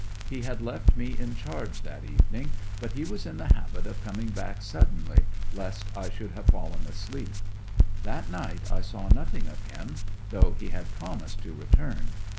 He had left me in charge that evening; but he was in the habit of coming back suddenly, lest I should have fallen asleep. That night I saw nothing of him, though he had promised to return.